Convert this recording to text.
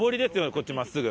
こっち真っすぐ。